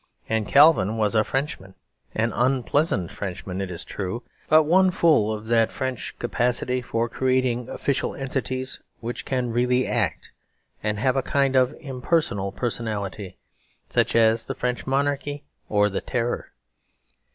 And Calvin was a Frenchman; an unpleasant Frenchman, it is true, but one full of that French capacity for creating official entities which can really act, and have a kind of impersonal personality, such as the French Monarchy or the Terror.